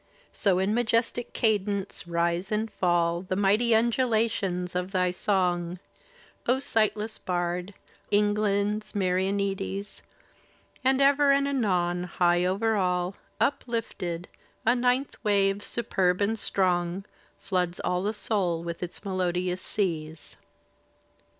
So in majestic cadence rise and fall Digitized by Google LONGFELLOW 105 The mighty undulations of thy song, O sightless bard, England's Maponides! And ever and anon, high over all Uplifted, a ninth wave superb and strong. Floods all the soul with its melodious seas.